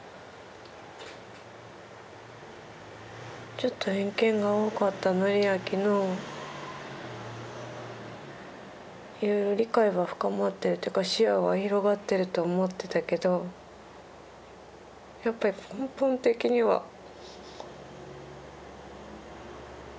ちょっと偏見が多かった敬明のいろいろ理解が深まってるというか視野が広がってると思ってたけどやっぱり根本的にはまだまだ変わってないんだって。